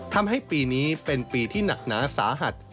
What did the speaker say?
ทำให้ปีนี้เป็นปีที่หนักหนาสาหัส